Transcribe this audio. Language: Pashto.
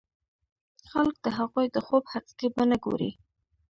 خلک د هغوی د خوب حقيقي بڼه ګوري.